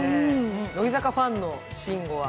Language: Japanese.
乃木坂ファンの慎吾は？